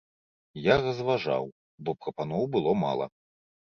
Я разважаў, бо прапаноў было мала.